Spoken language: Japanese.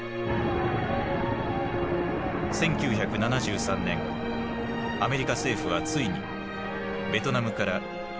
１９７３年アメリカ政府はついにベトナムから軍を完全撤退させた。